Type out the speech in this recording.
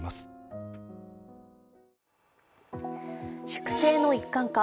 粛清の一環か。